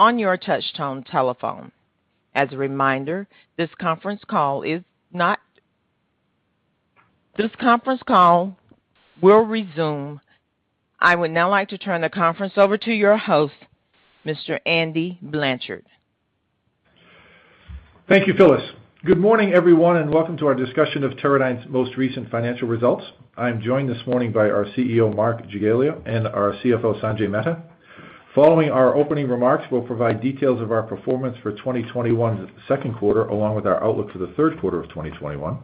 I would now like to turn the conference over to your host, Mr. Andy Blanchard. Thank you, Phyllis. Good morning, everyone. Welcome to our discussion of Teradyne's most recent financial results. I am joined this morning by our CEO, Mark Jagiela, and our CFO, Sanjay Mehta. Following our opening remarks, we'll provide details of our performance for 2021's second quarter, along with our outlook for the third quarter of 2021.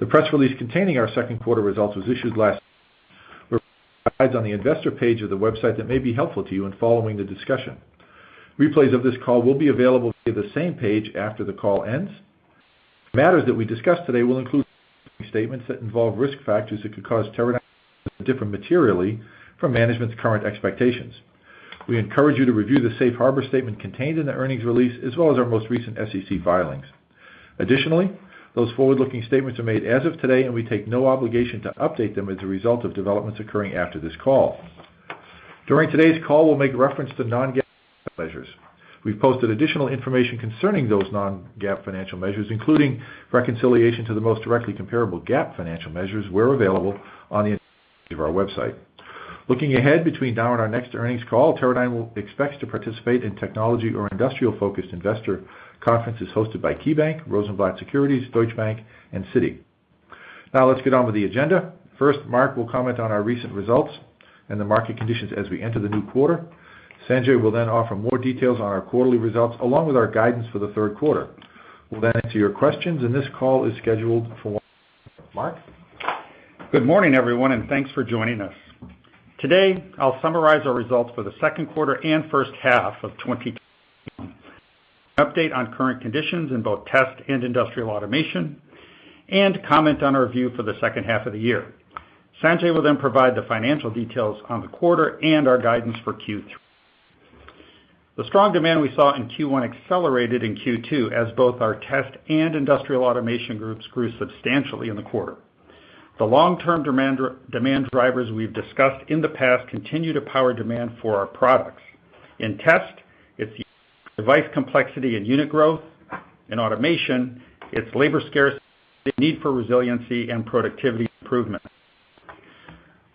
The press release containing our second quarter results was issued last week. We provide slides on the investor page of the website that may be helpful to you in following the discussion. Replays of this call will be available via the same page after the call ends. Matters that we discuss today will include forward-looking statements that involve risk factors that could cause Teradyne's results to differ materially from management's current expectations. We encourage you to review the safe harbor statement contained in the earnings release, as well as our most recent SEC filings. Those forward-looking statements are made as of today. We take no obligation to update them as a result of developments occurring after this call. During today's call, we'll make reference to non-GAAP measures. We've posted additional information concerning those non-GAAP financial measures, including reconciliation to the most directly comparable GAAP financial measures where available on the Investor Relations page of our website. Looking ahead, between now and our next earnings call, Teradyne expects to participate in technology or industrial-focused investor conferences hosted by KeyBanc, Rosenblatt Securities, Deutsche Bank, and Citi. Let's get on with the agenda. First, Mark will comment on our recent results and the market conditions as we enter the new quarter. Sanjay will offer more details on our quarterly results, along with our guidance for the third quarter. We'll answer your questions. This call is scheduled for one hour. Mark? Good morning, everyone, and thanks for joining us. Today, I'll summarize our results for the second quarter and first half of 2021, provide an update on current conditions in both Test and Industrial Automation, and comment on our view for the second half of the year. Sanjay will then provide the financial details on the quarter and our guidance for Q3. The strong demand we saw in Q1 accelerated in Q2 as both our Test and Industrial Automation groups grew substantially in the quarter. The long-term demand drivers we've discussed in the past continue to power demand for our products. In Test, it's device complexity and unit growth. In Automation, it's labor scarcity, the need for resiliency, and productivity improvement.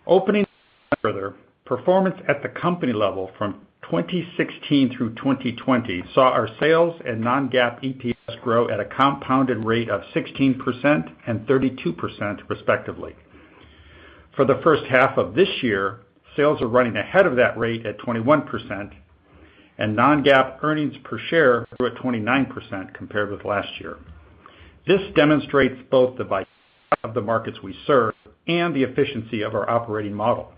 Opening the books further, performance at the company level from 2016 through 2020 saw our sales and non-GAAP EPS grow at a compounded rate of 16% and 32%, respectively. For the first half of this year, sales are running ahead of that rate at 21%, and non-GAAP earnings per share grew at 29% compared with last year. This demonstrates both the vitality of the markets we serve and the efficiency of our operating model.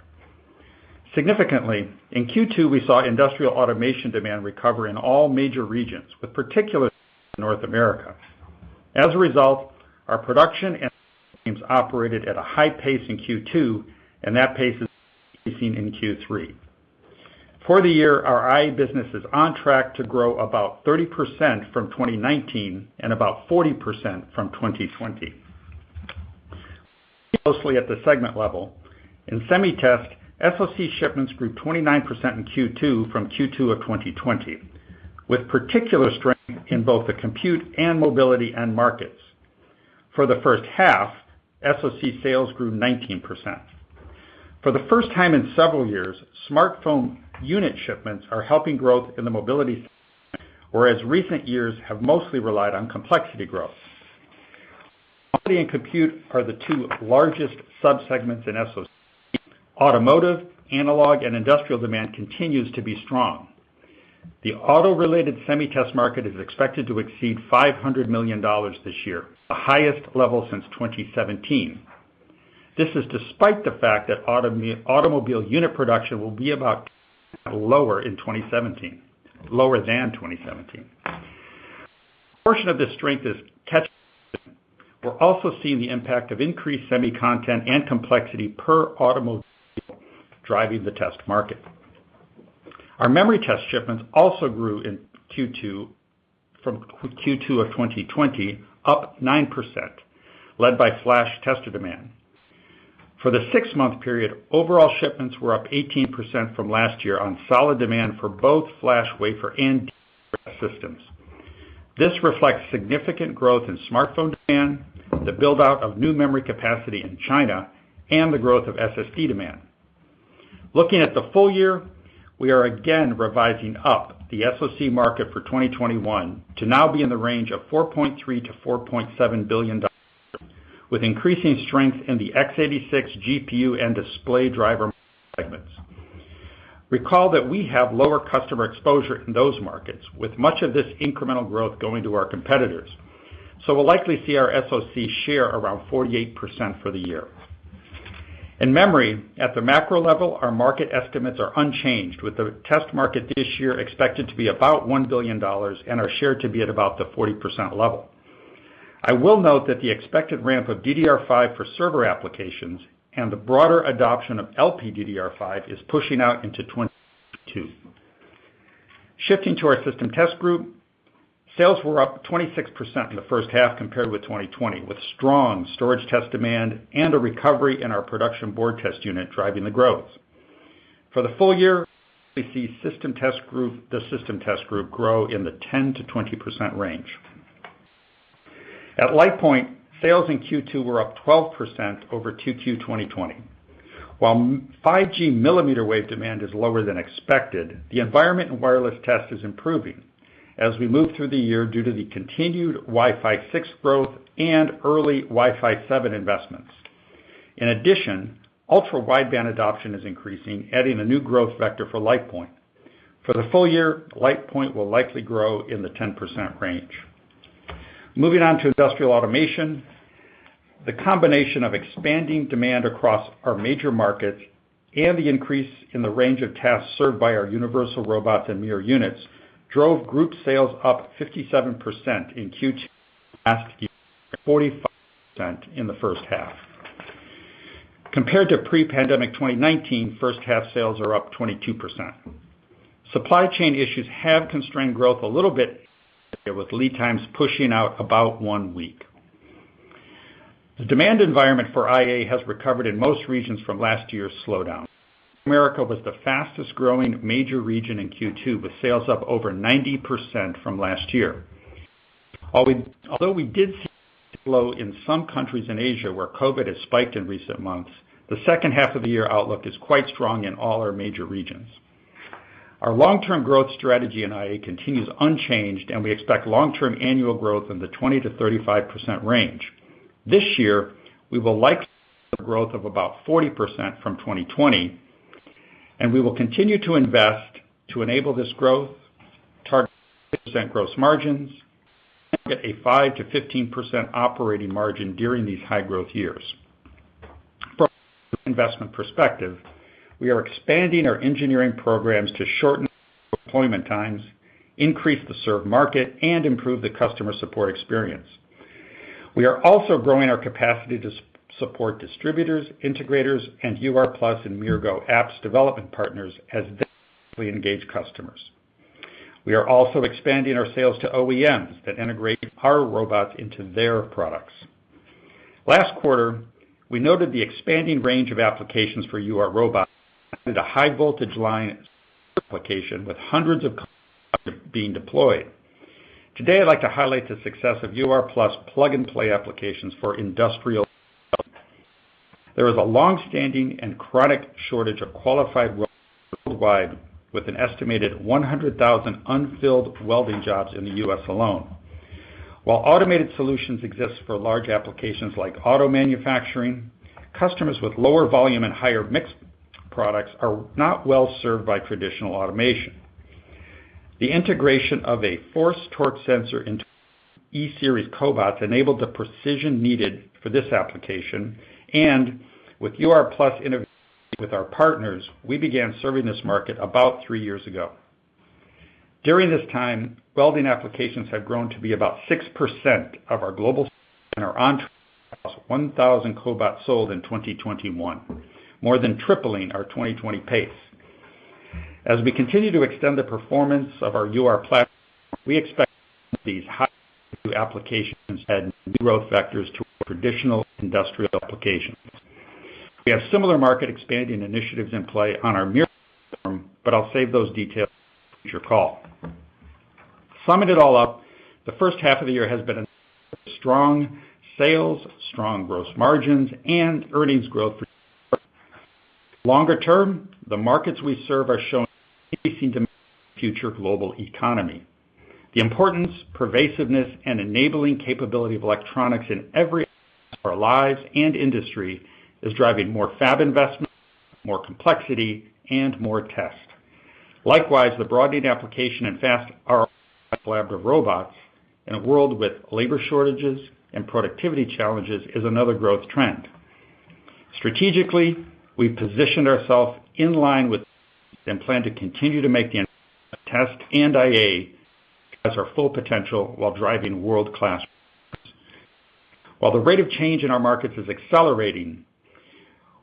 Significantly, in Q2, we saw Industrial Automation demand recover in all major regions, with particular strength in North America. As a result, our production and logistics teams operated at a high pace in Q2, and that pace is increasing in Q3. For the year, our IA business is on track to grow about 30% from 2019 and about 40% from 2020. Looking more closely at the segment level, in Semi Test, SoC shipments grew 29% in Q2 from Q2 of 2020, with particular strength in both the compute and mobility end markets. For the first half, SoC sales grew 19%. For the first time in several years, smartphone unit shipments are helping growth in the mobility segment, whereas recent years have mostly relied on complexity growth. Mobility and compute are the two largest subsegments in SoC. Automotive, analog, and industrial demand continues to be strong. The auto-related Semi Test market is expected to exceed $500 million this year, the highest level since 2017. This is despite the fact that automobile unit production will be about 10% lower than 2017. A portion of this strength is catch-up spending. We're also seeing the impact of increased semi content and complexity per automobile driving the test market. Our memory test shipments also grew in Q2 from Q2 of 2020, up 9%, led by flash tester demand. For the 6-month period, overall shipments were up 18% from last year on solid demand for both flash wafer and die sort systems. This reflects significant growth in smartphone demand, the build-out of new memory capacity in China, and the growth of SSD demand. Looking at the full year, we are again revising up the SoC market for 2021 to now be in the range of $4.3 billion-$4.7 billion, with increasing strength in the x86, GPU, and display driver subsegments. Recall that we have lower customer exposure in those markets, with much of this incremental growth going to our competitors. We'll likely see our SoC share around 48% for the year. In memory, at the macro level, our market estimates are unchanged, with the test market this year expected to be about $1 billion and our share to be at about the 40% level. I will note that the expected ramp of DDR5 for server applications and the broader adoption of LPDDR5 is pushing out into 2022. Shifting to our System Test group, sales were up 26% in the first half compared with 2020, with strong storage test demand and a recovery in our production board test unit driving the growth. For the full year, we see the System Test group grow in the 10%-20% range. At LitePoint, sales in Q2 were up 12% over 2Q 2020. 5G millimeter wave demand is lower than expected, the environment in wireless test is improving as we move through the year due to the continued Wi-Fi 6 growth and early Wi-Fi 7 investments. Ultra-wideband adoption is increasing, adding a new growth vector for LitePoint. For the full year, LitePoint will likely grow in the 10% range. Moving on to Industrial Automation, the combination of expanding demand across our major markets and the increase in the range of tasks served by our Universal Robots and MiR units drove group sales up 57% in Q2 last year, 45% in the first half. Compared to pre-pandemic 2019, first half sales are up 22%. Supply chain issues have constrained growth a little bit, with lead times pushing out about one week. The demand environment for IA has recovered in most regions from last year's slowdown. America was the fastest-growing major region in Q2, with sales up over 90% from last year. We did see a slow in some countries in Asia, where COVID has spiked in recent months, the second half of the year outlook is quite strong in all our major regions. Our long-term growth strategy in IA continues unchanged, and we expect long-term annual growth in the 20%-35% range. This year, we will likely see growth of about 40% from 2020, and we will continue to invest to enable this growth, target gross margins, and get a 5%-15% operating margin during these high-growth years. From an investment perspective, we are expanding our engineering programs to shorten deployment times, increase the served market, and improve the customer support experience. We are also growing our capacity to support distributors, integrators, and UR+ and MiR Go apps development partners as they engage customers. We are also expanding our sales to OEMs that integrate our robots into their products. Last quarter, we noted the expanding range of applications for UR robots, and a high voltage line application with hundreds of being deployed. Today, I'd like to highlight the success of UR+ plug-and-play applications for industrial. There is a long-standing and chronic shortage of qualified worldwide, with an estimated 100,000 unfilled welding jobs in the U.S. alone. While automated solutions exist for large applications like auto manufacturing, customers with lower volume and higher mixed products are not well-served by traditional automation. The integration of a force torque sensor into e-Series cobots enabled the precision needed for this application, and with UR+ innovation with our partners, we began serving this market about three years ago. During this time, welding applications have grown to be about 6% of our global and our onto 1,000 cobots sold in 2021, more than tripling our 2020 pace. As we continue to extend the performance of our UR platform, we expect these high applications and new growth vectors to traditional industrial applications. We have similar market expanding initiatives in play on our MiR platform. I'll save those details for your call. To sum it all up, the first half of the year has been strong sales, strong gross margins, and earnings growth for. Longer term, the markets we serve are showing increasing demand for the future global economy. The importance, pervasiveness, and enabling capability of electronics in every our lives and industry is driving more fab investment, more complexity, and more test. Likewise, the broadening application and fast ROI collaborative robots in a world with labor shortages and productivity challenges is another growth trend. Strategically, we've positioned ourselves in line with and plan to continue to make the test, and IA has our full potential while driving world-class. While the rate of change in our markets is accelerating,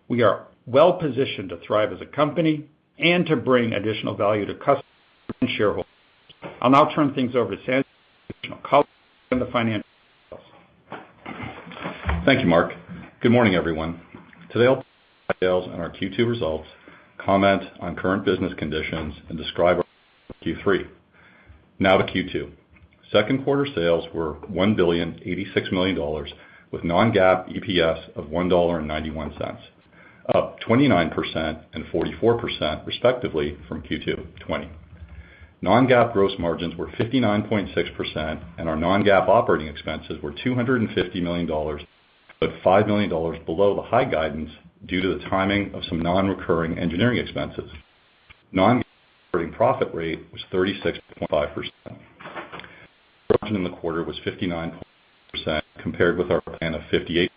we are well-positioned to thrive as a company and to bring additional value to customers and shareholders. I'll now turn things over to Sanjay, additional color on the financial. Thank you, Mark. Good morning, everyone. Today, I'll details on our Q2 results, comment on current business conditions, and describe our Q3. To Q2. Second quarter sales were $1,086,000,000 with non-GAAP EPS of $1.91, up 29% and 44% respectively from Q2 2020. Non-GAAP gross margins were 59.6%, and our non-GAAP operating expenses were $250 million, but $5 million below the high guidance due to the timing of some non-recurring engineering expenses. Non-GAAP operating profit rate was 36.5%. Gross margin in the quarter was 59.6% compared with our plan of 58%.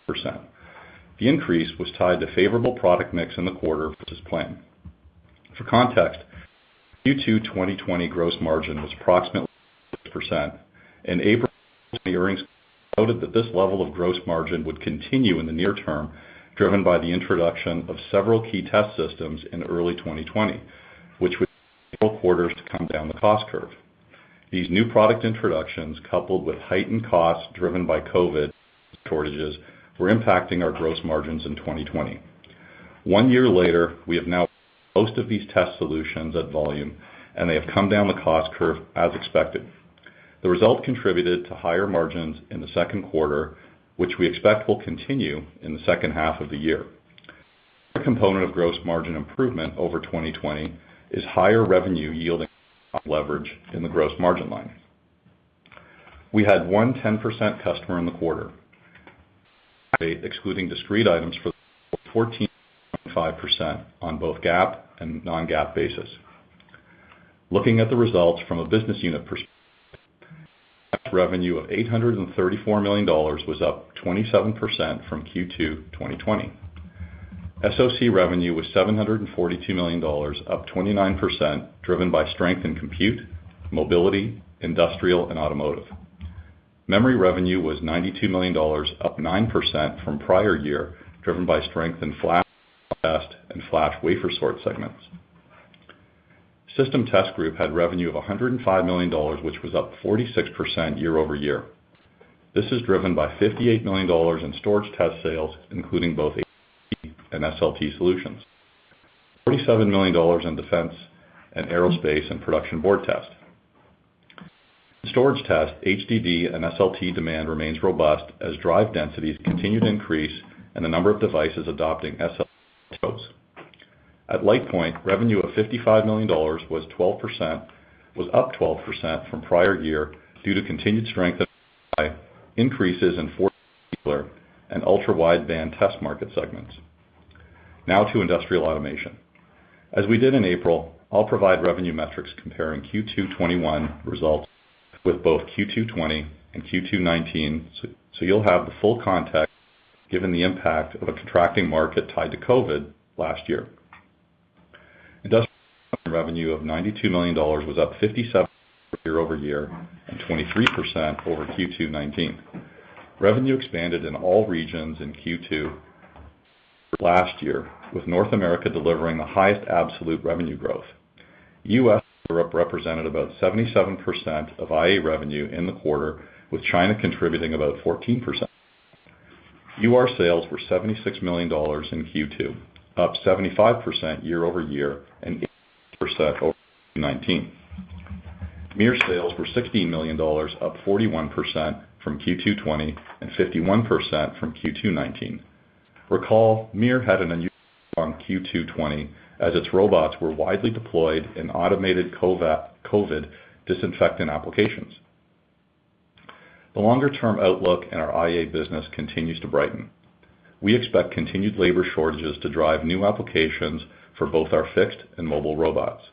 The increase was tied to favorable product mix in the quarter versus plan. For context, Q2 2020 gross margin was approximately 6%, and April earnings noted that this level of gross margin would continue in the near term, driven by the introduction of several key test systems in early 2020, which would take several quarters to come down the cost curve. These new product introductions, coupled with heightened costs driven by COVID shortages, were impacting our gross margins in 2020. One year later, we have now most of these test solutions at volume, and they have come down the cost curve as expected. The result contributed to higher margins in the second quarter, which we expect will continue in the second half of the year. A component of gross margin improvement over 2020 is higher revenue yielding leverage in the gross margin line. We had one 10% customer in the quarter, excluding discrete items for 14.5% on both GAAP and non-GAAP basis. Looking at the results from a business unit perspective, revenue of $834 million was up 27% from Q2 2020. SoC revenue was $742 million, up 29%, driven by strength in compute, mobility, industrial, and automotive. Memory revenue was $92 million, up 9% from prior year, driven by strength in flash test and flash wafer sort segments. System Test group had revenue of $105 million, which was up 46% year-over-year. This is driven by $58 million in storage test sales, including both HDD and SLT solutions. $47 million in defense and aerospace and production board test. Storage test, HDD, and SLT demand remains robust as drive densities continue to increase and the number of devices adopting SLT. At LitePoint, revenue of $55 million was up 12% from prior year due to continued strength of increases in and ultra-wideband test market segments. Now to industrial automation. As we did in April, I'll provide revenue metrics comparing Q2 2021 results with both Q2 2020 and Q2 2019, so you'll have the full context given the impact of a contracting market tied to COVID last year. Industrial revenue of $92 million was up 57% year-over-year and 23% over Q2 2019. Revenue expanded in all regions in Q2 last year, with North America delivering the highest absolute revenue growth. U.S. represented about 77% of IA revenue in the quarter, with China contributing about 14%. UR sales were $76 million in Q2, up 75% year-over-year and 8% over 2019. MiR sales were $16 million, up 41% from Q2 2020 and 51% from Q2 2019. Recall, MiR had an unusual Q2 2020, as its robots were widely deployed in automated COVID disinfectant applications. The longer-term outlook in our IA business continues to brighten. We expect continued labor shortages to drive new applications for both our fixed and mobile robots.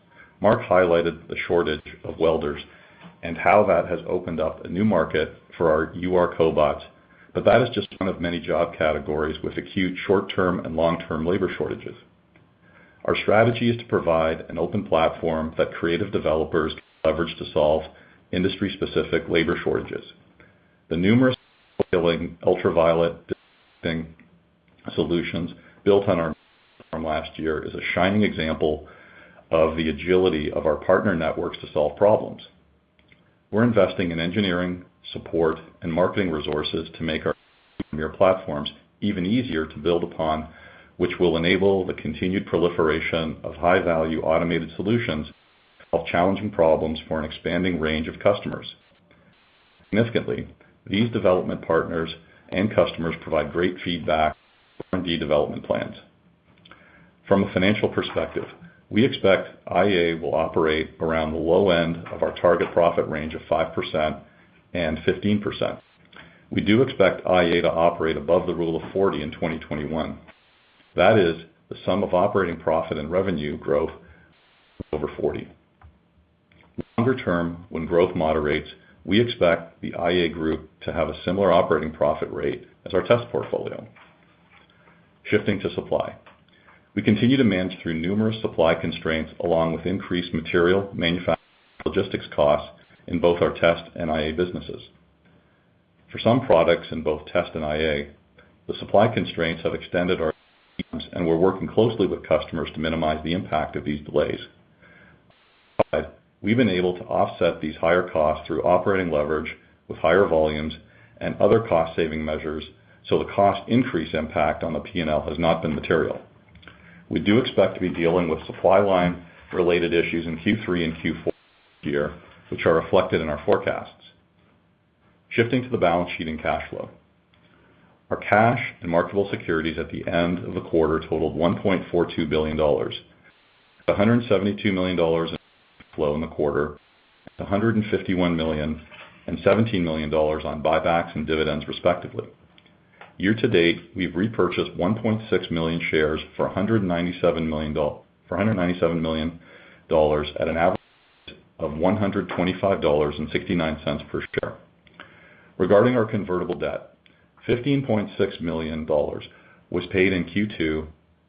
Mark highlighted the shortage of welders and how that has opened up a new market for our UR cobots. That is just one of many job categories with acute short-term and long-term labor shortages. Our strategy is to provide an open platform that creative developers can leverage to solve industry-specific labor shortages. The numerous ultraviolet disinfecting solutions built on our UR+ last year is a shining example of the agility of our partner networks to solve problems. We're investing in engineering, support, and marketing resources to make our MiR platforms even easier to build upon, which will enable the continued proliferation of high-value automated solutions to solve challenging problems for an expanding range of customers. Significantly, these development partners and customers provide great feedback for R&D development plans. From a financial perspective, we expect IA will operate around the low end of our target profit range of 5%-15%. We do expect IA to operate above the Rule of 40 in 2021. That is the sum of operating profit and revenue growth over 40. Longer term, when growth moderates, we expect the IA group to have a similar operating profit rate as our test portfolio. Shifting to supply. We continue to manage through numerous supply constraints, along with increased material manufacturing logistics costs in both our test and IA businesses. For some products in both test and IA, the supply constraints have extended our and we're working closely with customers to minimize the impact of these delays. We've been able to offset these higher costs through operating leverage with higher volumes and other cost-saving measures, so the cost increase impact on the P&L has not been material. We do expect to be dealing with supply line-related issues in Q3 and Q4 this year, which are reflected in our forecasts. Shifting to the balance sheet and cash flow. Our cash and marketable securities at the end of the quarter totaled $1.42 billion, $172 million in flow in the quarter, and $151 million and $17 million on buybacks and dividends, respectively. Year to date, we've repurchased 1.6 million shares for $197 million at an average of $125.69 per share. Regarding our convertible debt, $15.6 million was paid in Q2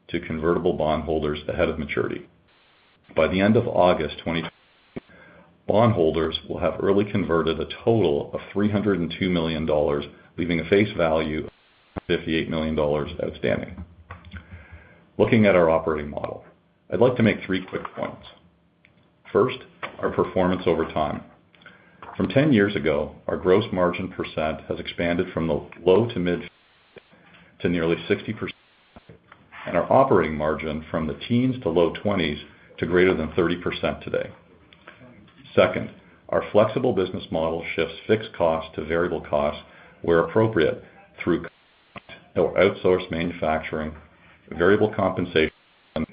to convertible bondholders ahead of maturity. By the end of August 2022, bondholders will have early converted a total of $302 million, leaving a face value of $58 million outstanding. Looking at our operating model, I'd like to make three quick points. First, our performance over time. From 10 years ago, our gross margin percent has expanded from the low to mid to nearly 60% and our operating margin from the teens to low 20s to greater than 30% today. Second, our flexible business model shifts fixed costs to variable costs where appropriate through contract or outsourced manufacturing, variable compensation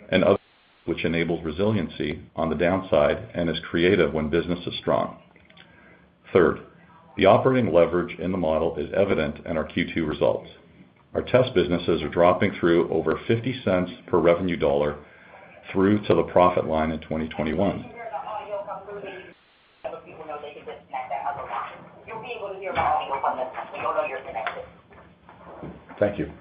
and other, which enables resiliency on the downside and is creative when business is strong. Third, the operating leverage in the model is evident in our Q2 results. Our test businesses are dropping through over $0.50 per revenue dollar through to the profit line in 2021. Thank you.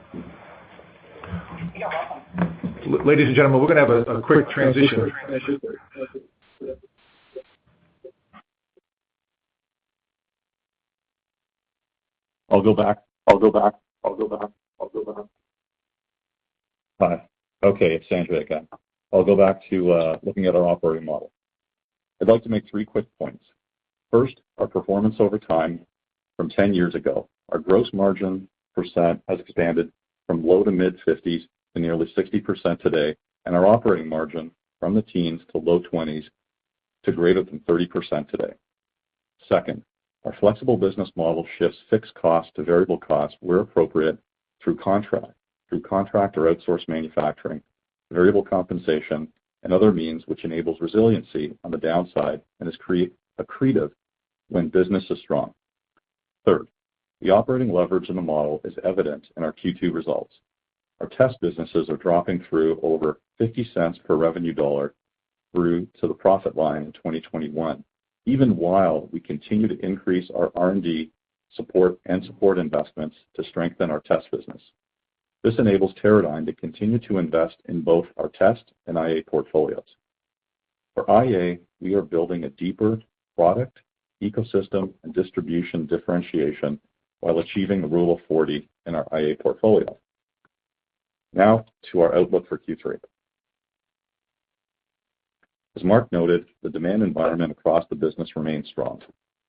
Ladies and gentlemen, we're going to have a quick transition. I'll go back. Hi. Okay, it's Sanjay again. I'll go back to looking at our operating model. I'd like to make three quick points. First, our performance over time from 10 years ago. Our gross margin % has expanded from low to mid-50s to nearly 60% today. Our operating margin from the teens to low 20s to greater than 30% today. Second, our flexible business model shifts fixed costs to variable costs where appropriate through contract or outsourced manufacturing, variable compensation and other means, which enables resiliency on the downside and is accretive when business is strong. Third, the operating leverage in the model is evident in our Q2 results. Our test businesses are dropping through over $0.50 per revenue dollar through to the profit line in 2021, even while we continue to increase our R&D and support investments to strengthen our test business. This enables Teradyne to continue to invest in both our test and IA portfolios. For IA, we are building a deeper product, ecosystem, and distribution differentiation while achieving the Rule of 40 in our IA portfolio. To our outlook for Q3. As Mark noted, the demand environment across the business remains strong.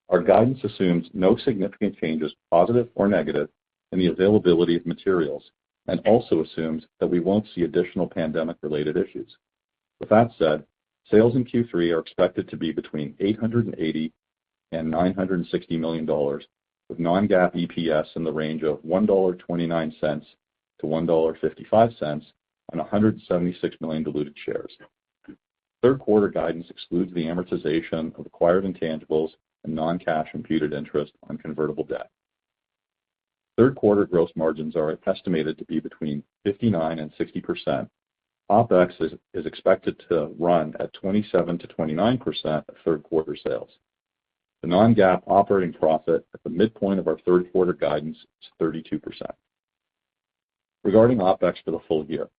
Our guidance assumes no significant changes, positive or negative, in the availability of materials, and also assumes that we won't see additional pandemic-related issues. With that said, sales in Q3 are expected to be between $880 million-$960 million, with non-GAAP EPS in the range of $1.29-$1.55 on 176 million diluted shares. Third quarter guidance excludes the amortization of acquired intangibles and non-cash imputed interest on convertible debt. Third quarter gross margins are estimated to be between 59%-60%. OpEx is expected to run at 27%-29% of third quarter sales. The non-GAAP operating profit at the midpoint of our third quarter guidance is 32%. Regarding OpEx for the full year,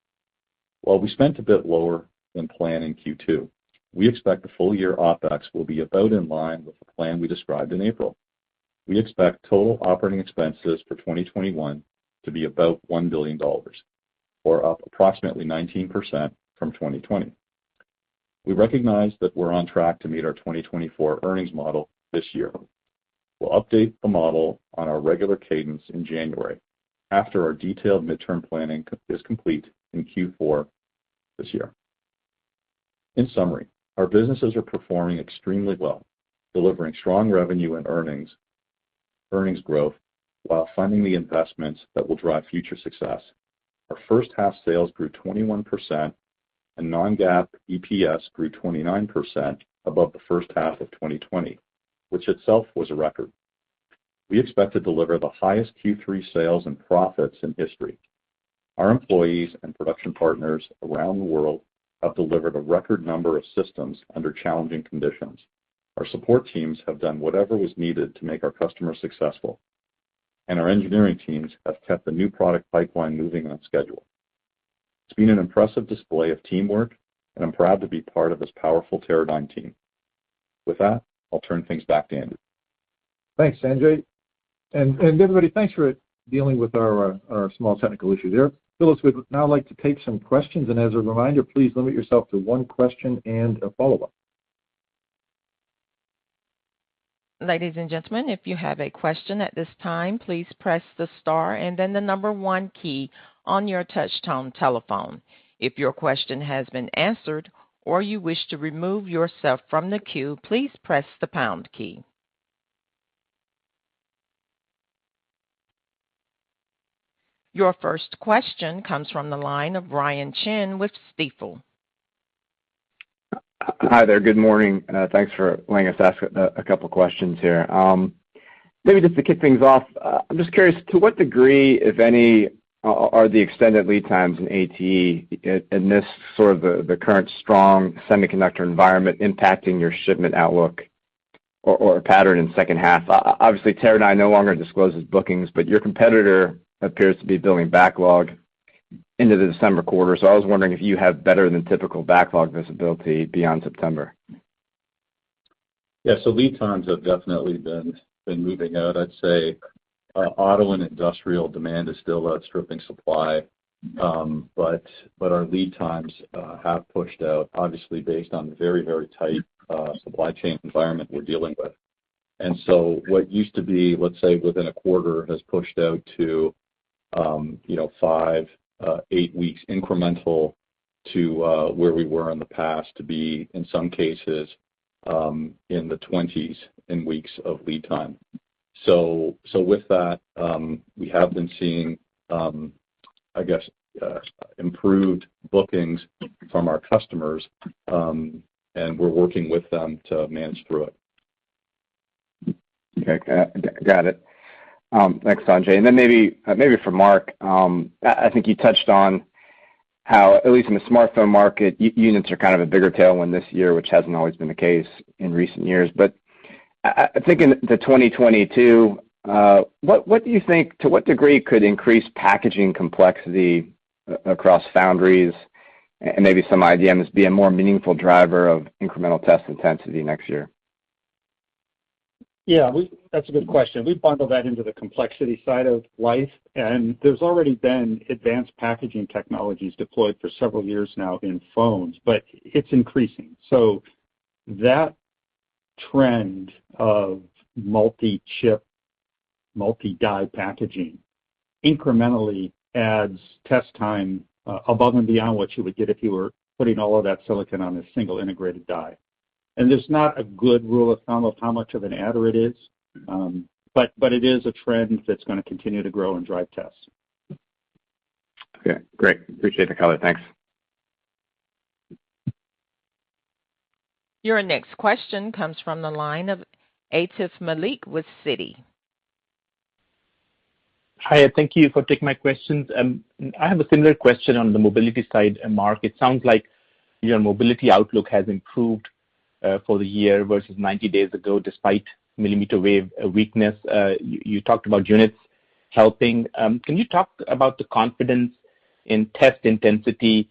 while we spent a bit lower than planned in Q2, we expect the full year OpEx will be about in line with the plan we described in April. We expect total operating expenses for 2021 to be about $1 billion, or up approximately 19% from 2020. We recognize that we're on track to meet our 2024 earnings model this year. We'll update the model on our regular cadence in January after our detailed midterm planning is complete in Q4 this year. In summary, our businesses are performing extremely well, delivering strong revenue and earnings growth while funding the investments that will drive future success. Our first half sales grew 21%, and non-GAAP EPS grew 29% above the first half of 2020, which itself was a record. We expect to deliver the highest Q3 sales and profits in history. Our employees and production partners around the world have delivered a record number of systems under challenging conditions. Our support teams have done whatever was needed to make our customers successful, and our engineering teams have kept the new product pipeline moving on schedule. It's been an impressive display of teamwork, and I'm proud to be part of this powerful Teradyne team. With that, I'll turn things back to Andy. Thanks, Sanjay. Everybody, thanks for dealing with our small technical issue there. Phyllis, we'd now like to take some questions. As a reminder, please limit yourself to one question and a follow-up. Ladies and gentlemen, if you have a question at this time, please press the star and then the number one key on your touch tone telephone. If your question has been answered or you wish to remove yourself from the queue, please press the pound key. Your first question comes from the line of Brian Chin with Stifel. Hi there. Good morning. Thanks for letting us ask a couple questions here. Maybe just to kick things off, I am just curious, to what degree, if any, are the extended lead times in ATE in this sort of the current strong semiconductor environment impacting your shipment outlook or pattern in second half? Obviously, Teradyne no longer discloses bookings, your competitor appears to be building backlog into the December quarter. I was wondering if you have better than typical backlog visibility beyond September. Yeah. Lead times have definitely been moving out. I'd say auto and industrial demand is still outstripping supply. Our lead times have pushed out, obviously, based on the very, very tight supply chain environment we're dealing with. What used to be, let's say, within a quarter, has pushed out to five, eight weeks incremental to where we were in the past to be, in some cases, in the 20s in weeks of lead time. With that, we have been seeing, I guess, improved bookings from our customers, and we're working with them to manage through it. Okay. Got it. Thanks, Sanjay. Maybe for Mark, I think you touched on how, at least in the smartphone market, units are kind of a bigger tailwind this year, which hasn't always been the case in recent years. I think in 2022, what do you think, to what degree could increased packaging complexity across foundries and maybe some IDMs be a more meaningful driver of incremental test intensity next year? Yeah, that's a good question. We bundle that into the complexity side of life, and there's already been advanced packaging technologies deployed for several years now in phones, but it's increasing. That trend of multi-chip, multi-die packaging incrementally adds test time above and beyond what you would get if you were putting all of that silicon on a single integrated die. There's not a good rule of thumb of how much of an adder it is. It is a trend that's going to continue to grow and drive tests. Okay, great. Appreciate the color. Thanks. Your next question comes from the line of Atif Malik with Citi. Hi, thank you for taking my questions. I have a similar question on the mobility side. Mark, it sounds like your mobility outlook has improved for the year versus 90 days ago, despite millimeter wave weakness. You talked about units helping. Can you talk about the confidence in test intensity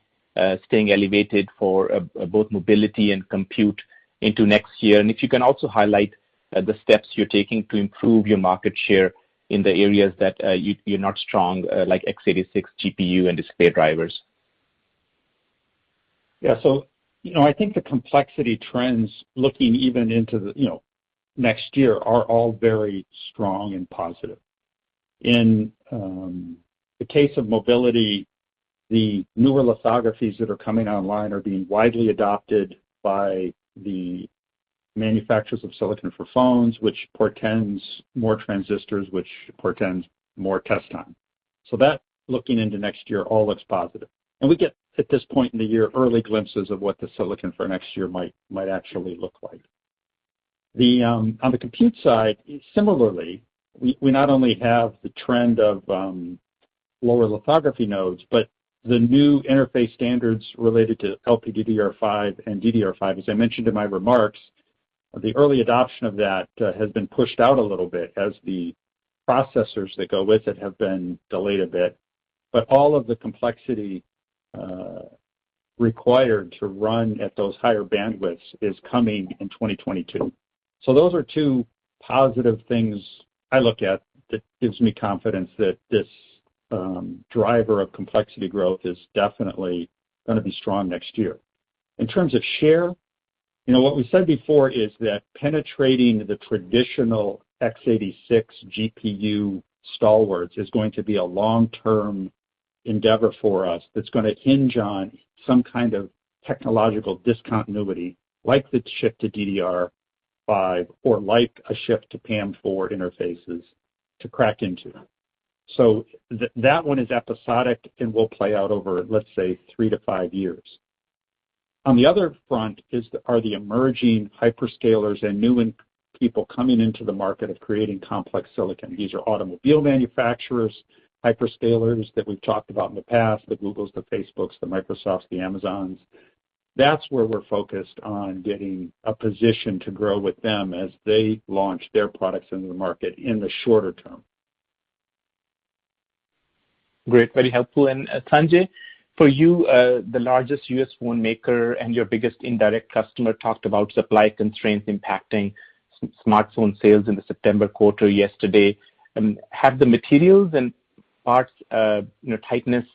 staying elevated for both mobility and compute into next year? If you can also highlight the steps you're taking to improve your market share in the areas that you're not strong, like x86, GPU, and display drivers. Yeah. I think the complexity trends looking even into next year are all very strong and positive. In the case of mobility, the newer lithographies that are coming online are being widely adopted by the manufacturers of silicon for phones, which portends more transistors, which portends more test time. That, looking into next year, all looks positive. We get, at this point in the year, early glimpses of what the silicon for next year might actually look like. On the compute side, similarly, we not only have the trend of lower lithography nodes, but the new interface standards related to LPDDR5 and DDR5, as I mentioned in my remarks, the early adoption of that has been pushed out a little bit as the processors that go with it have been delayed a bit. All of the complexity required to run at those higher bandwidths is coming in 2022. Those are two positive things I look at that gives me confidence that this driver of complexity growth is definitely going to be strong next year. In terms of share, what we said before is that penetrating the traditional x86 GPU stalwarts is going to be a long-term endeavor for us that's going to hinge on some kind of technological discontinuity, like the shift to DDR5 or like a shift to PAM4 interfaces to crack into them. That one is episodic and will play out over, let's say, three to five years. On the other front are the emerging hyperscalers and new people coming into the market of creating complex silicon. These are automobile manufacturers, hyperscalers that we've talked about in the past, the Googles, the Facebooks, the Microsofts, the Amazons. That's where we're focused on getting a position to grow with them as they launch their products into the market in the shorter term. Great. Very helpful. Sanjay, for you, the largest U.S. phone maker and your biggest indirect customer talked about supply constraints impacting smartphone sales in the September quarter yesterday. Have the materials and parts tightness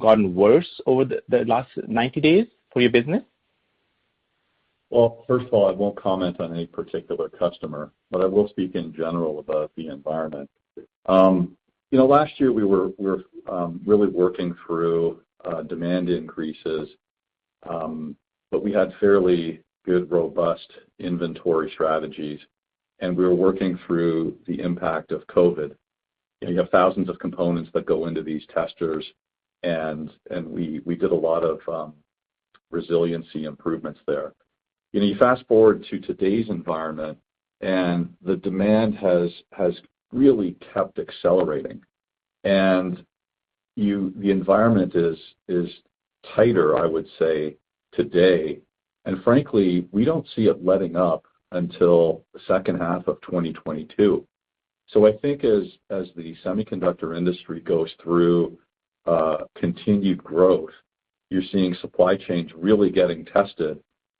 gotten worse over the last 90 days for your business? Well, first of all, I won't comment on any particular customer, but I will speak in general about the environment. Last year we were really working through demand increases, but we had fairly good, robust inventory strategies, and we were working through the impact of COVID. You have thousands of components that go into these testers, and we did a lot of resiliency improvements there. You fast-forward to today's environment, and the demand has really kept accelerating. The environment is tighter, I would say today, and frankly, we don't see it letting up until the second half of 2022. I think as the semiconductor industry goes through continued growth, you're seeing supply chains really getting tested.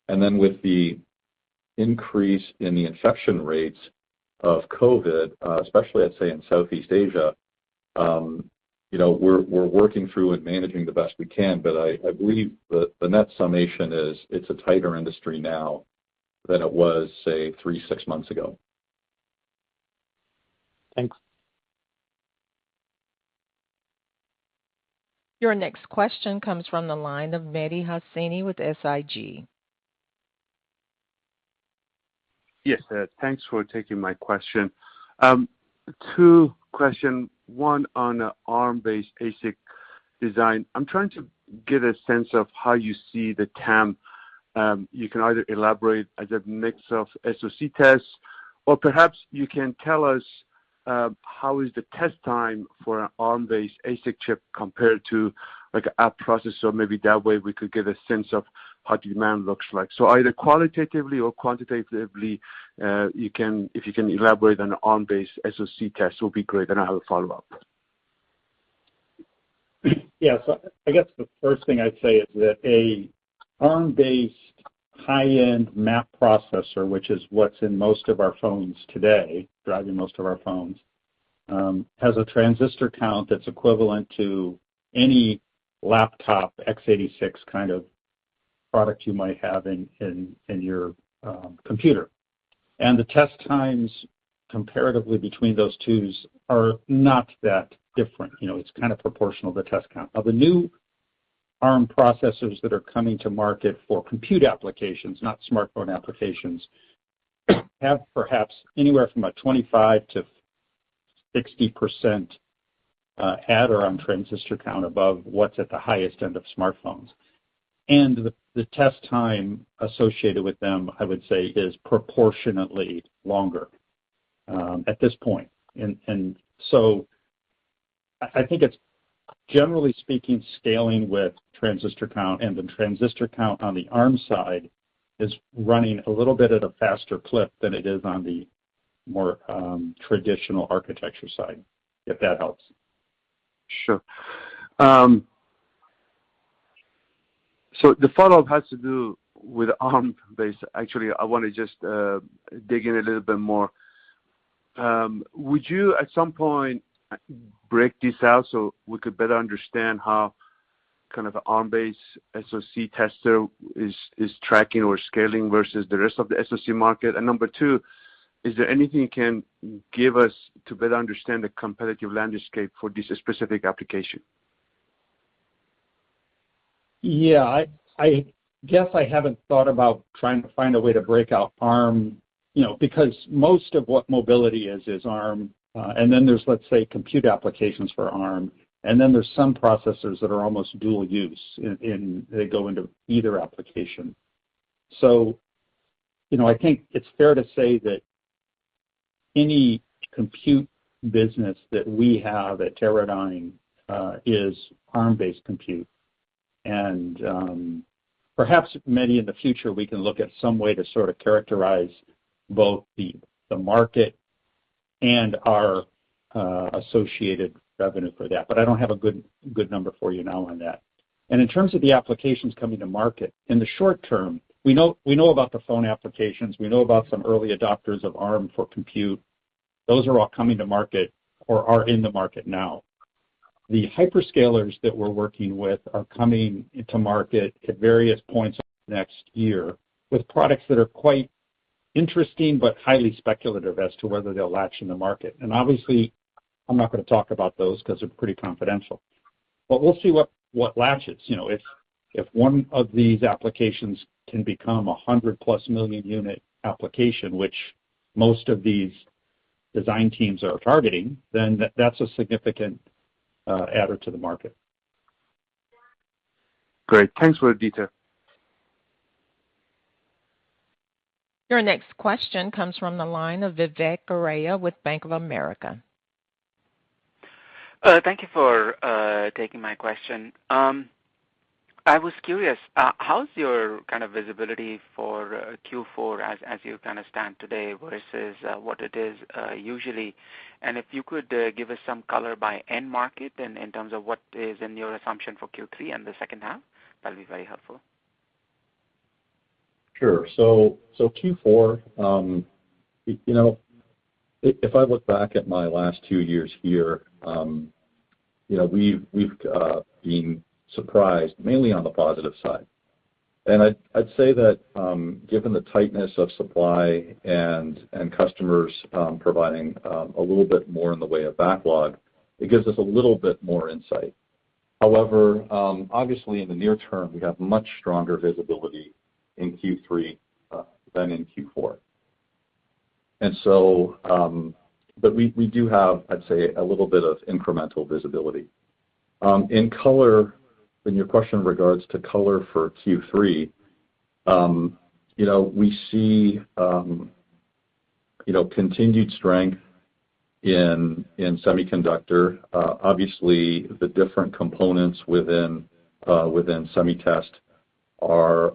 With the increase in the infection rates of COVID, especially, I'd say, in Southeast Asia, we're working through and managing the best we can. I believe the net summation is it's a tighter industry now than it was, say, three, six months ago. Thanks. Your next question comes from the line of Mehdi Hosseini with SIG. Yes. Thanks for taking my question. Two question, one on the Arm-based ASIC design. I'm trying to get a sense of how you see the TAM. You can either elaborate as a mix of SoC tests, or perhaps you can tell us how is the test time for an Arm-based ASIC chip compared to like a app processor maybe that way we could get a sense of how demand looks like. Either qualitatively or quantitatively, if you can elaborate on Arm-based SoC tests will be great. I have a follow-up. I guess the first thing I'd say is that a Arm-based high-end map processor, which is what's in most of our phones today, driving most of our phones, has a transistor count that's equivalent to any laptop x86 kind of product you might have in your computer. The test times comparatively between those twos are not that different. It's kind of proportional, the test count. The new Arm processors that are coming to market for compute applications, not smartphone applications, have perhaps anywhere from a 25%-60% add around transistor count above what's at the highest end of smartphones. The test time associated with them, I would say, is proportionately longer at this point. I think it's generally speaking, scaling with transistor count, and the transistor count on the Arm side is running a little bit at a faster clip than it is on the more traditional architecture side, if that helps. Sure. The follow-up has to do with Arm-based. Actually, I want to just dig in a little bit more. Would you, at some point, break this out so we could better understand how kind of the Arm-based SOC tester is tracking or scaling versus the rest of the SOC market? Number two, is there anything you can give us to better understand the competitive landscape for this specific application? Yeah. I guess I haven't thought about trying to find a way to break out Arm, because most of what mobility is Arm. There's, let's say, compute applications for Arm. There's some processors that are almost dual use in they go into either application. I think it's fair to say that any compute business that we have at Teradyne is Arm-based compute. Perhaps, Mehdi, in the future, we can look at some way to sort of characterize both the market and our associated revenue for that. I don't have a good number for you now on that. In terms of the applications coming to market, in the short term, we know about the phone applications. We know about some early adopters of Arm for compute. Those are all coming to market or are in the market now. The hyperscalers that we're working with are coming into market at various points next year with products that are quite interesting but highly speculative as to whether they'll latch in the market. Obviously, I'm not going to talk about those because they're pretty confidential. We'll see what latches. If one of these applications can become 100+ million unit application, which most of these design teams are targeting, then that's a significant adder to the market. Great. Thanks for the detail. Your next question comes from the line of Vivek Arya with Bank of America. Thank you for taking my question. I was curious, how's your kind of visibility for Q4 as you kind of stand today versus what it is usually? If you could give us some color by end market in terms of what is in your assumption for Q3 and the second half, that'll be very helpful. Sure. Q4, if I look back at my last two years here, we've been surprised mainly on the positive side. I'd say that given the tightness of supply and customers providing a little bit more in the way of backlog, it gives us a little bit more insight. However, obviously in the near term, we have much stronger visibility in Q3 than in Q4. We do have, I'd say, a little bit of incremental visibility. In color, in your question in regards to color for Q3, we see continued strength in semiconductor. Obviously, the different components within Semi Test are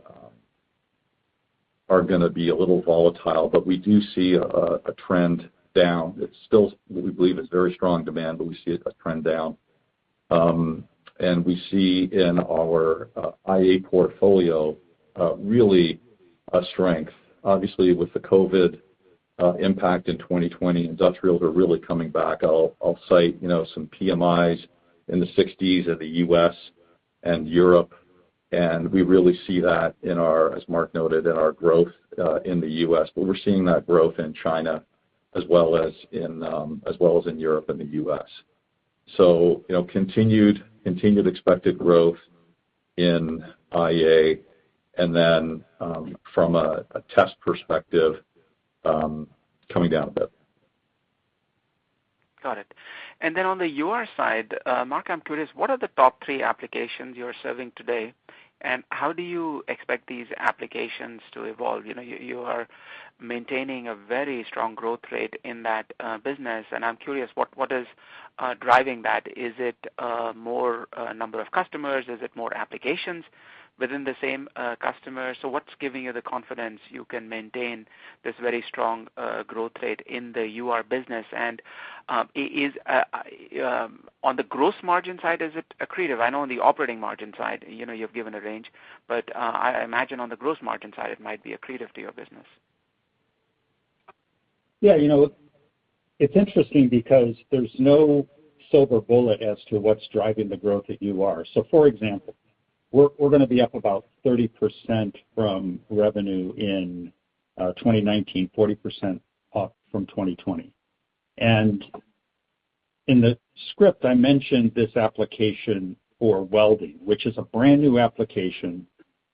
going to be a little volatile, but we do see a trend down. We believe it's very strong demand, but we see a trend down. We see in our IA portfolio, really a strength. Obviously with the COVID impact in 2020, industrials are really coming back. I'll cite some PMIs in the 60s of the U.S. and Europe, and we really see that, as Mark noted, in our growth, in the U.S. We're seeing that growth in China as well as in Europe and the U.S. Continued expected growth in IA, and then, from a test perspective, coming down a bit. Got it. On the UR side, Mark, I'm curious, what are the top three applications you're serving today, and how do you expect these applications to evolve? You are maintaining a very strong growth rate in that business. I'm curious, what is driving that? Is it more number of customers? Is it more applications within the same customer? What's giving you the confidence you can maintain this very strong growth rate in the UR business? On the gross margin side, is it accretive? I know on the operating margin side, you've given a range, but I imagine on the gross margin side, it might be accretive to your business. Yeah. It's interesting because there's no silver bullet as to what's driving the growth at UR. For example, we're going to be up about 30% from revenue in 2019, 40% up from 2020. In the script, I mentioned this application for welding, which is a brand-new application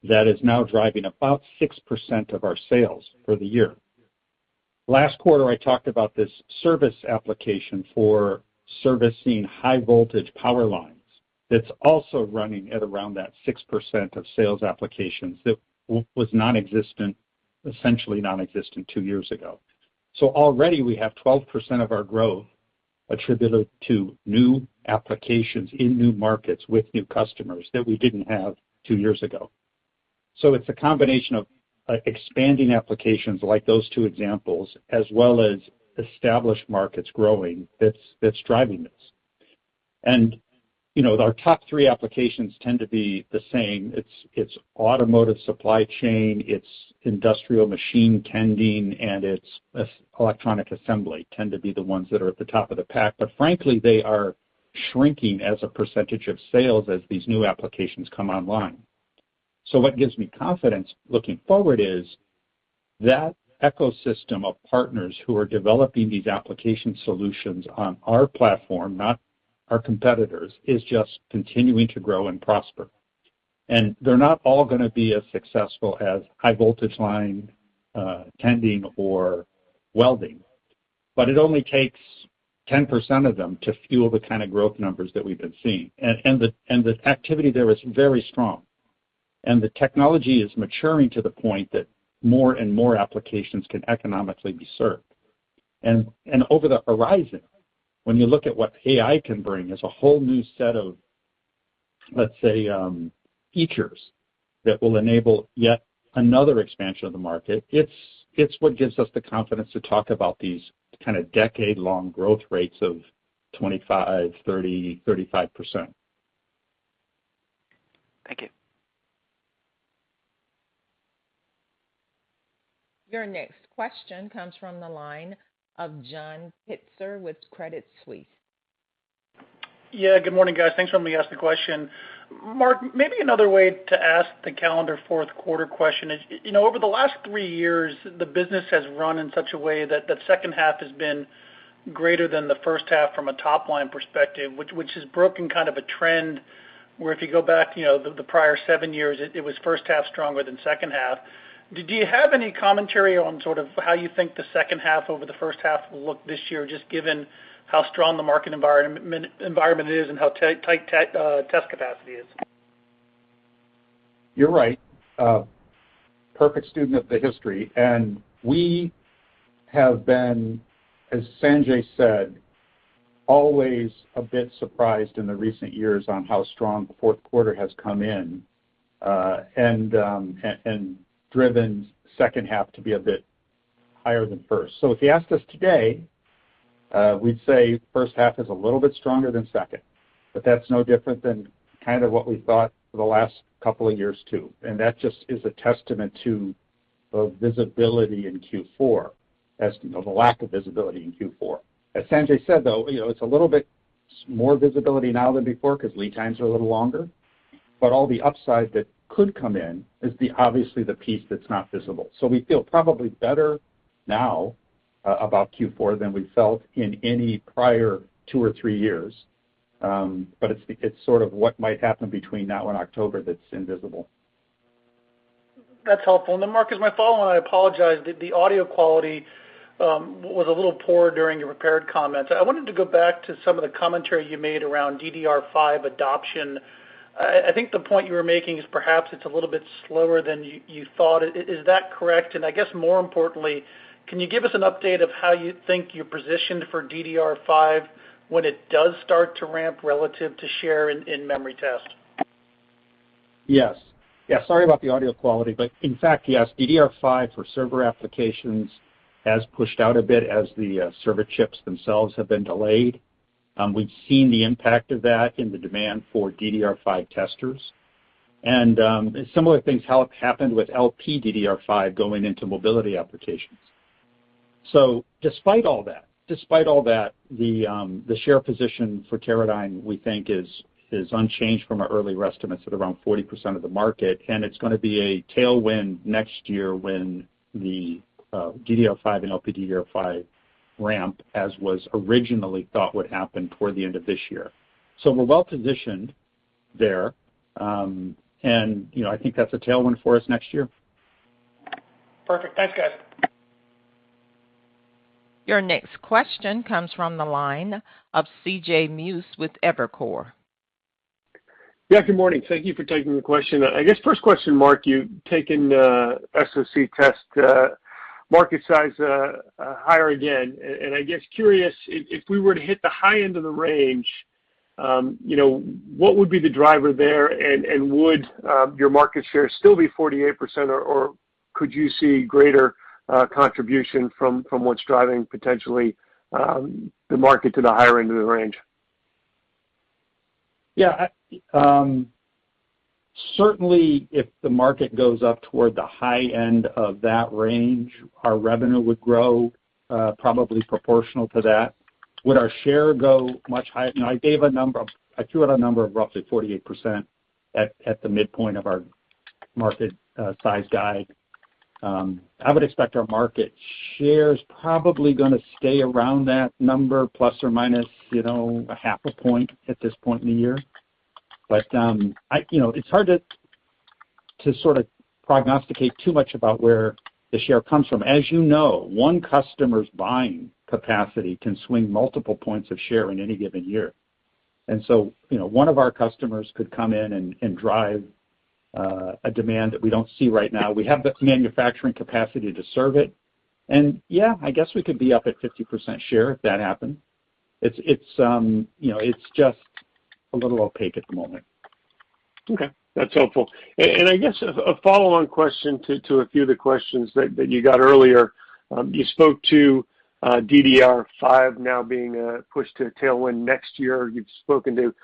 that is now driving about 6% of our sales for the year. Last quarter, I talked about this service application for servicing high voltage power lines that's also running at around that 6% of sales applications that was essentially nonexistent two years ago. Already we have 12% of our growth attributable to new applications in new markets with new customers that we didn't have two years ago. It's a combination of expanding applications like those two examples, as well as established markets growing, that's driving this. Our top three applications tend to be the same. It's automotive supply chain, it's industrial machine tending, and it's electronic assembly tend to be the ones that are at the top of the pack. Frankly, they are shrinking as a percentage of sales as these new applications come online. What gives me confidence looking forward is that ecosystem of partners who are developing these application solutions on our platform, not our competitors', is just continuing to grow and prosper. They are not all going to be as successful as high voltage line tending or welding, but it only takes 10% of them to fuel the kind of growth numbers that we have been seeing. The activity there is very strong, and the technology is maturing to the point that more and more applications can economically be served. Over the horizon, when you look at what AI can bring as a whole new set of, let's say, features that will enable yet another expansion of the market, it's what gives us the confidence to talk about these kind of decade-long growth rates of 25%, 30%, 35%. Thank you. Your next question comes from the line of John Pitzer with Credit Suisse. Yeah, good morning, guys. Thanks for letting me ask the question. Mark, maybe another way to ask the calendar fourth quarter question is, over the last three years, the business has run in such a way that the second half has been greater than the first half from a top-line perspective, which has broken kind of a trend where if you go back the prior seven years, it was first half stronger than second half. Do you have any commentary on sort of how you think the second half over the first half will look this year, just given how strong the market environment is and how tight test capacity is? You're right. Perfect student of the history. We have been, as Sanjay said, always a bit surprised in the recent years on how strong fourth quarter has come in, and driven second half to be a bit higher than first. If you asked us today, we'd say first half is a little bit stronger than second, but that's no different than kind of what we thought for the last couple of years, too. That just is a testament to the visibility in Q4, as the lack of visibility in Q4. As Sanjay said, though, it's a little bit more visibility now than before because lead times are a little longer. All the upside that could come in is obviously the piece that's not visible. We feel probably better now about Q4 than we felt in any prior two or three years. It's sort of what might happen between now and October that's invisible. That's helpful. Mark, as my follow-on, I apologize, the audio quality was a little poor during your prepared comments. I wanted to go back to some of the commentary you made around DDR5 adoption. I think the point you were making is perhaps it's a little bit slower than you thought. Is that correct? I guess more importantly, can you give us an update of how you think you're positioned for DDR5 when it does start to ramp relative to share in memory test? Yes. Sorry about the audio quality, in fact, yes, DDR5 for server applications has pushed out a bit as the server chips themselves have been delayed. We've seen the impact of that in the demand for DDR5 testers. Similar things happened with LPDDR5 going into mobility applications. Despite all that, the share position for Teradyne, we think is unchanged from our earlier estimates at around 40% of the market, it's going to be a tailwind next year when the DDR5 and LPDDR5 ramp, as was originally thought, would happen toward the end of this year. We're well-positioned there. I think that's a tailwind for us next year. Perfect. Thanks, guys. Your next question comes from the line of C.J. Muse with Evercore. Yeah, good morning. Thank you for taking the question. I guess first question, Mark, you've taken the SoC test market size higher again. I guess curious, if we were to hit the high end of the range, what would be the driver there? Would your market share still be 48% or could you see greater contribution from what's driving potentially the market to the higher end of the range? Yeah. Certainly, if the market goes up toward the high end of that range, our revenue would grow probably proportional to that. Would our share go much higher? I threw out a number of roughly 48% at the midpoint of our market size guide. I would expect our market share is probably going to stay around that number, plus or minus a half a point at this point in the year. It's hard to sort of prognosticate too much about where the share comes from. As you know, one customer's buying capacity can swing multiple points of share in any given year. One of our customers could come in and drive a demand that we don't see right now. We have the manufacturing capacity to serve it. Yeah, I guess we could be up at 50% share if that happened. It's just a little opaque at the moment. Okay. That's helpful. I guess a follow-on question to a few of the questions that you got earlier. You spoke to DDR5 now being pushed to a tailwind next year. You've spoken to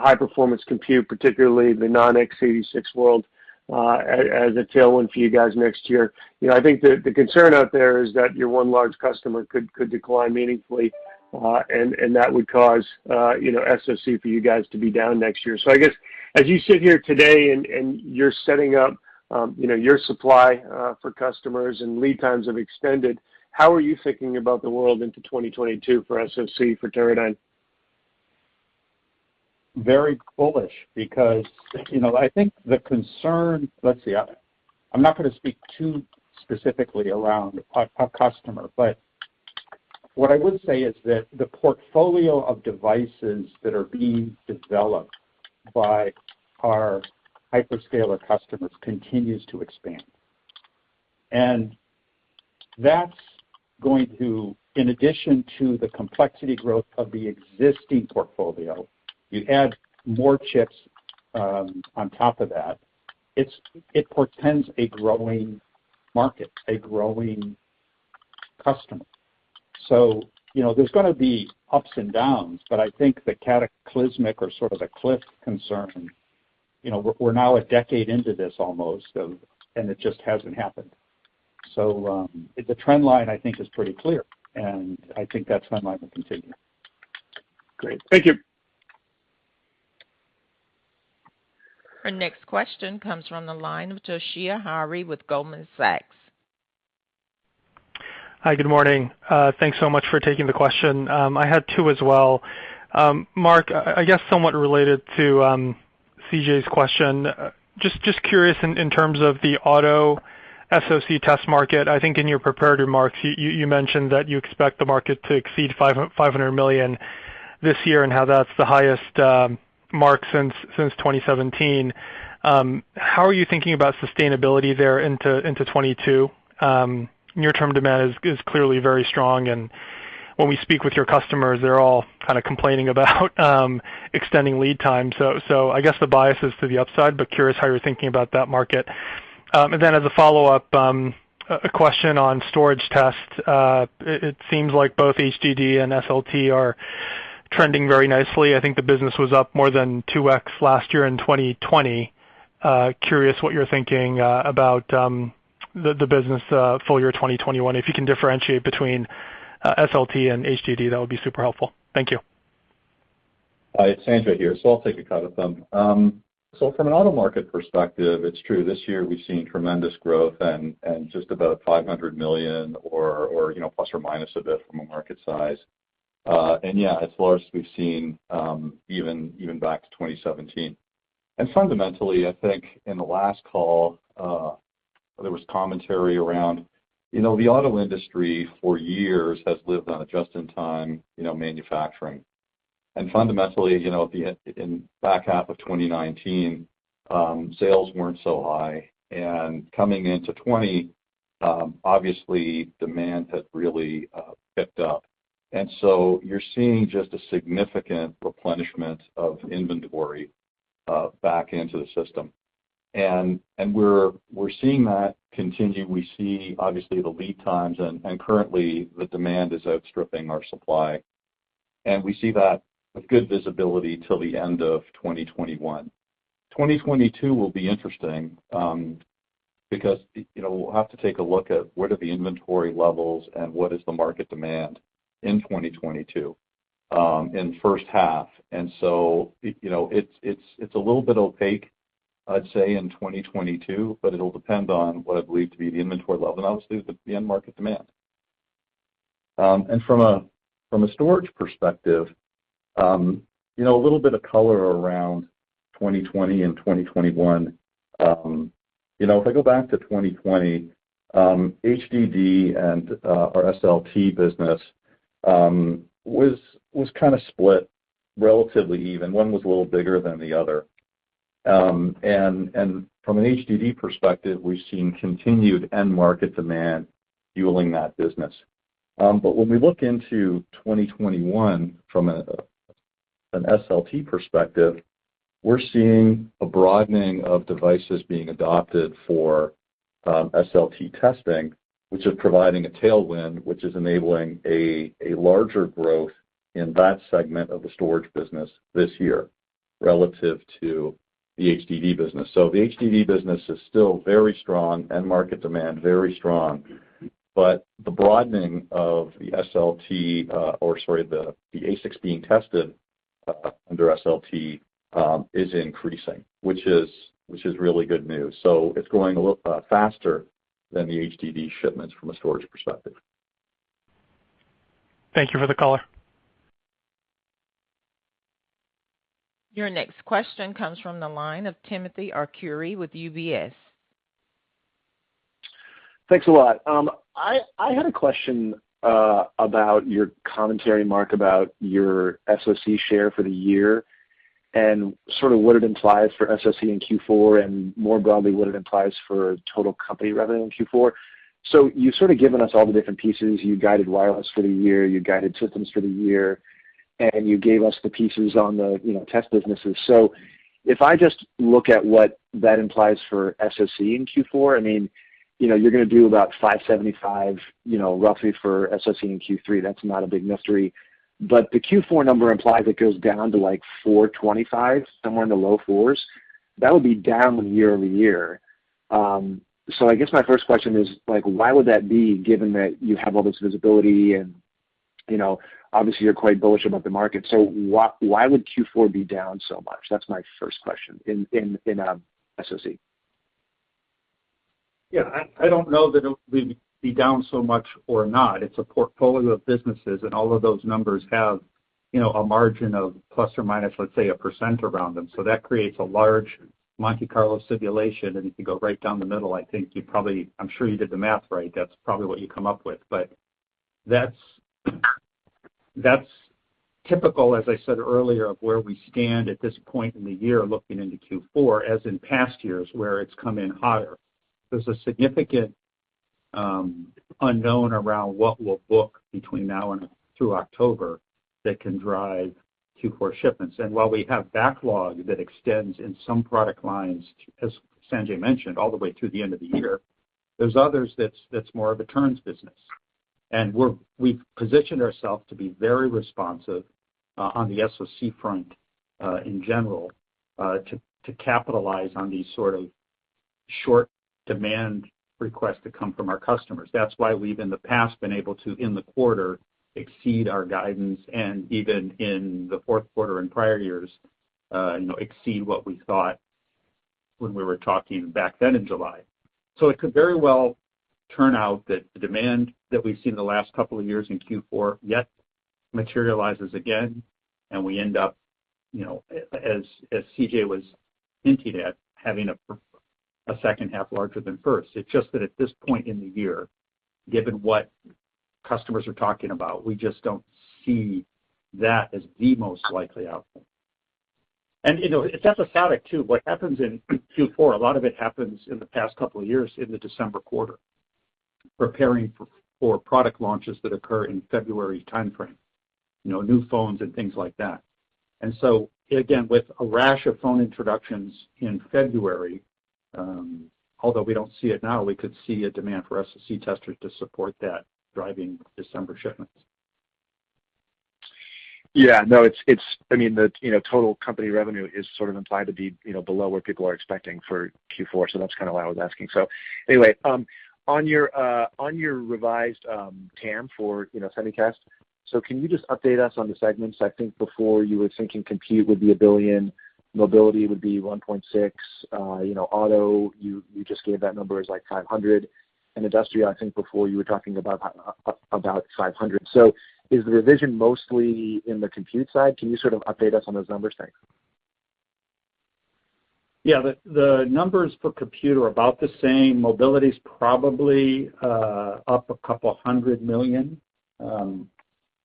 high-performance compute, particularly the non-x86 world, as a tailwind for you guys next year. I think the concern out there is that your one large customer could decline meaningfully, and that would cause SoC for you guys to be down next year. I guess as you sit here today and you're setting up your supply for customers and lead times have extended, how are you thinking about the world into 2022 for SoC for Teradyne? Very bullish because I think the concern, let's see, I'm not going to speak too specifically around a customer, but what I would say is that the portfolio of devices that are being developed by our hyperscaler customers continues to expand. That's going to, in addition to the complexity growth of the existing portfolio, you add more chips on top of that, it portends a growing market, a growing customer. There's going to be ups and downs, but I think the cataclysmic or sort of the cliff concern, we're now a decade into this almost, and it just hasn't happened. The trend line, I think, is pretty clear, and I think that timeline will continue. Great. Thank you. Our next question comes from the line of Toshiya Hari with Goldman Sachs. Hi, good morning. Thanks so much for taking the question. I had two as well. Mark, I guess somewhat related to C.J.'s question, just curious in terms of the auto SoC test market. I think in your prepared remarks, you mentioned that you expect the market to exceed $500 million this year, and how that's the highest mark since 2017. How are you thinking about sustainability there into 2022? Near-term demand is clearly very strong, and when we speak with your customers, they're all kind of complaining about extending lead time. I guess the bias is to the upside, but curious how you're thinking about that market. As a follow-up, a question on storage tests. It seems like both HDD and SLT are trending very nicely. I think the business was up more than 2x last year in 2020. Curious what you're thinking about the business full year 2021. If you can differentiate between SLT and HDD, that would be super helpful. Thank you. Hi, it's Sanjay here, so I'll take a cut at them. From an auto market perspective, it's true, this year we've seen tremendous growth and just about $500 million or plus or minus a bit from a market size. Yeah, it's the largest we've seen even back to 2017. Fundamentally, I think in the last call, there was commentary around the auto industry for years has lived on a just-in-time manufacturing. Fundamentally, in back half of 2019, sales weren't so high. Coming into 2020, obviously demand had really picked up. You're seeing just a significant replenishment of inventory back into the system. We're seeing that continue. We see, obviously, the lead times, and currently the demand is outstripping our supply. We see that with good visibility till the end of 2021. 2022 will be interesting, because we'll have to take a look at what are the inventory levels and what is the market demand in 2022, in first half. So it's a little bit opaque, I'd say, in 2022, but it'll depend on what I believe to be the inventory level and obviously the end market demand. From a storage perspective, a little bit of color around 2020 and 2021. If I go back to 2020, HDD and our SLT business was kind of split relatively even. One was a little bigger than the other. From an HDD perspective, we've seen continued end market demand fueling that business. When we look into 2021 from an SLT perspective, we're seeing a broadening of devices being adopted for SLT testing, which is providing a tailwind, which is enabling a larger growth in that segment of the storage business this year relative to the HDD business. The HDD business is still very strong, end market demand very strong, but the broadening of the SLT, or sorry, the ASICs being tested under SLT is increasing, which is really good news. It's going a little faster than the HDD shipments from a storage perspective. Thank you for the color. Your next question comes from the line of Timothy Arcuri with UBS. Thanks a lot. I had a question about your commentary, Mark, about your SoC share for the year and sort of what it implies for SoC in Q4 and more broadly, what it implies for total company revenue in Q4. You've sort of given us all the different pieces. You guided wireless for the year, you guided System Test for the year, you gave us the pieces on the test businesses. If I just look at what that implies for SoC in Q4, I mean, you're going to do about $575 roughly for SoC in Q3. That's not a big mystery. The Q4 number implies it goes down to like $425, somewhere in the low fours. That would be down year-over-year. I guess my first question is why would that be, given that you have all this visibility and obviously you're quite bullish about the market, why would Q4 be down so much? That's my first question in SoC. Yeah, I don't know that it would be down so much or not. It's a portfolio of businesses, and all of those numbers have a margin of plus or minus, let's say, 1% around them. That creates a large Monte Carlo simulation, and if you go right down the middle, I think I'm sure you did the math right, that's probably what you come up with. That's typical, as I said earlier, of where we stand at this point in the year, looking into Q4, as in past years, where it's come in higher. There's a significant unknown around what we'll book between now and through October that can drive Q4 shipments. While we have backlog that extends in some product lines, as Sanjay mentioned, all the way through the end of the year, there's others that's more of a turns business. We've positioned ourselves to be very responsive on the SoC front in general to capitalize on these sort of short demand requests that come from our customers. That's why we've, in the past, been able to, in the quarter, exceed our guidance, and even in the fourth quarter in prior years, exceed what we thought when we were talking back then in July. It could very well turn out that the demand that we've seen the last couple of years in Q4 yet materializes again, and we end up, as C.J. was hinting at, having a second half larger than first. It's just that at this point in the year, given what customers are talking about, we just don't see that as the most likely outcome. It's episodic, too. What happens in Q4, a lot of it happens in the past couple of years in the December quarter, preparing for product launches that occur in February timeframe. New phones and things like that. Again, with a rash of phone introductions in February, although we don't see it now, we could see a demand for SoC testers to support that, driving December shipments. The total company revenue is implied to be below where people are expecting for Q4, that's why I was asking. Anyway, on your revised TAM for Semi Test, can you just update us on the segments? I think before you were thinking compute would be $1 billion, mobility would be $1.6 billion, auto, you just gave that number as $500 million, and industrial, I think before you were talking about $500 million. Is the revision mostly in the compute side? Can you update us on those numbers? Thanks. Yeah. The numbers for compute are about the same. Mobility's probably up $200 million.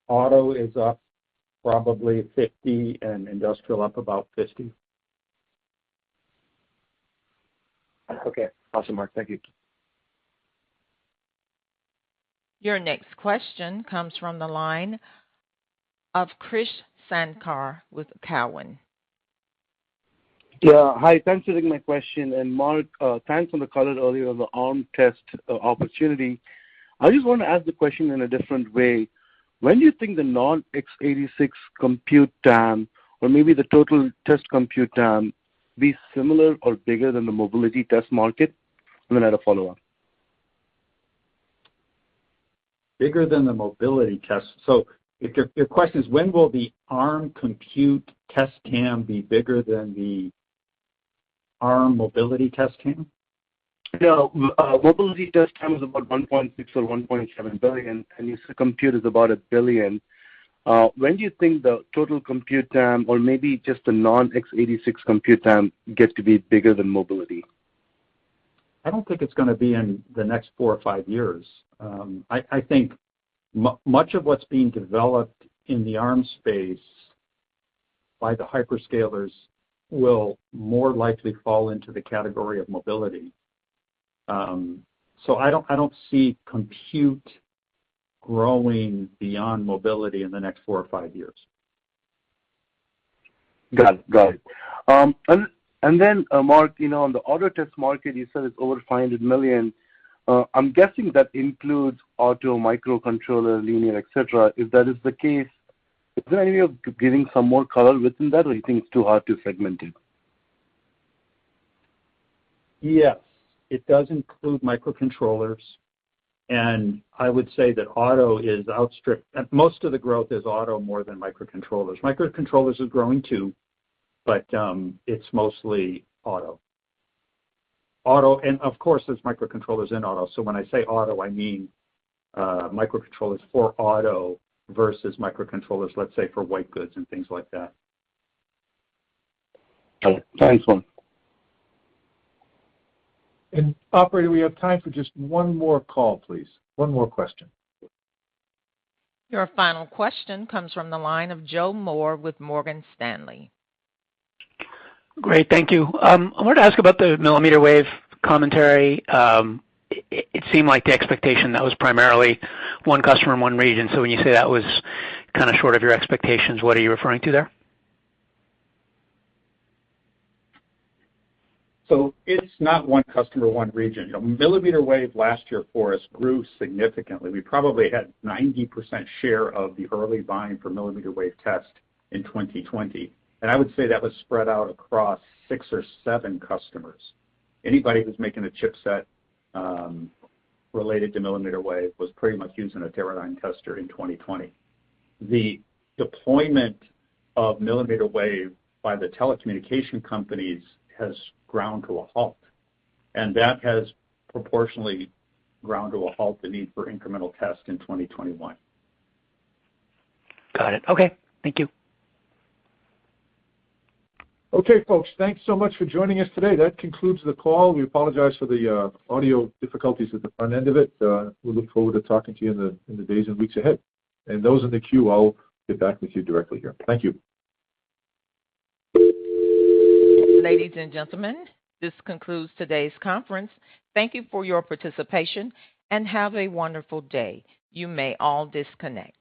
Auto is up probably $50 million, Industrial up about $50 million. Okay. Awesome, Mark. Thank you. Your next question comes from the line of Krish Sankar with Cowen. Yeah. Hi, thanks for taking my question. Mark, thanks on the comment earlier on the Arm test opportunity. I just want to ask the question in a different way. When do you think the non-x86 compute TAM, or maybe the total test compute TAM, be similar or bigger than the mobility test market? I'm going to add a follow-up. Bigger than the mobility test. If your question is, when will the Arm compute test TAM be bigger than the Arm mobility test TAM? No, mobility test TAM is about $1.6 billion or $1.7 billion, and you said compute is about $1 billion. When do you think the total compute TAM, or maybe just the non-x86 compute TAM, gets to be bigger than mobility? I don't think it's going to be in the next four or five years. I think much of what's being developed in the Arm space by the hyperscalers will more likely fall into the category of mobility. I don't see compute growing beyond mobility in the next four or five years. Got it. Mark, on the auto test market, you said it's over $500 million. I'm guessing that includes auto microcontroller, linear, et cetera. If that is the case, is there any way of giving some more color within that, or you think it's too hard to segment it? Yes. It does include microcontrollers, and I would say that most of the growth is auto more than microcontrollers. Microcontrollers is growing, too, but it's mostly auto. Of course, there's microcontrollers in auto, so when I say auto, I mean microcontrollers for auto versus microcontrollers, let's say, for white goods and things like that. Okay. Thanks, Mark. Operator, we have time for just one more call, please. One more question. Your final question comes from the line of Joe Moore with Morgan Stanley. Great, thank you. I wanted to ask about the millimeter wave commentary. It seemed like the expectation, that was primarily one customer in one region. When you say that was short of your expectations, what are you referring to there? It's not one customer, one region. Millimeter wave last year for us grew significantly. We probably had 90% share of the early buying for millimeter wave test in 2020, and I would say that was spread out across six or seven customers. Anybody who's making a chipset related to millimeter wave was pretty much using a Teradyne tester in 2020. The deployment of millimeter wave by the telecommunication companies has ground to a halt, and that has proportionally ground to a halt the need for incremental test in 2021. Got it. Okay. Thank you. Okay, folks. Thanks so much for joining us today. That concludes the call. We apologize for the audio difficulties at the front end of it. We look forward to talking to you in the days and weeks ahead. Those in the queue, I'll get back with you directly here. Thank you. Ladies and gentlemen, this concludes today's conference. Thank you for your participation, and have a wonderful day. You may all disconnect.